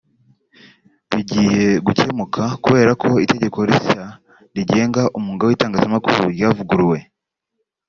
bigiye gukemuka kubera ko itegeko rishya rigenga umwunga w’itangazamakuru ryavuguruwe